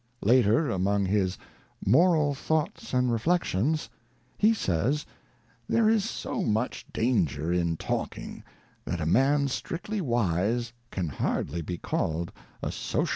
Later, among his Moral Thoughts and Reflections, he says, ' There is so much Danger in Talking, that a Man strictly wise can hardly be called a sociable Creature.'